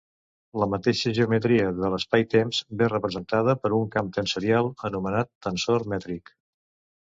La mateixa geometria de l'espaitemps ve representada per un camp tensorial anomenat tensor mètric.